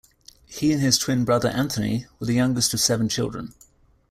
He and his twin brother, Anthony, were the youngest of seven children.